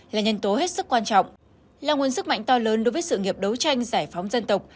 là nhân tố hết sức quan trọng là nguồn sức mạnh to lớn đối với sự nghiệp đấu tranh giải phóng dân tộc